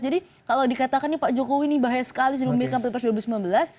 jadi kalau dikatakan nih pak jokowi ini bahaya sekali sudah memiliki pilpres dua ribu sembilan belas